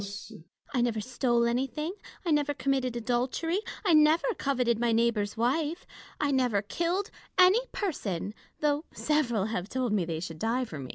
I never stole anything ; I never committed adultery ; I never coveted my neighbour's wife ; I never killed any person, though several have told me they should die for me.